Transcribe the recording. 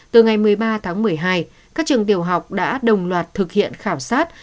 từ ngày một mươi ba tháng một mươi hai các trường tiểu học đã đồng loạt thực hiện khảo sát